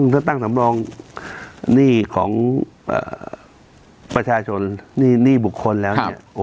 ถ้าตั้งสำรองหนี้ของประชาชนหนี้บุคคลแล้วเนี่ย